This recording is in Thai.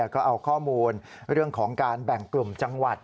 ก็เอาข้อมูลเรื่องของการแบ่งกลุ่มจังหวัด